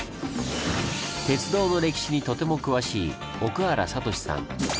鉄道の歴史にとても詳しい奥原哲志さん。